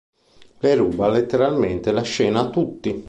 Lei ruba letteralmente la scena a tutti".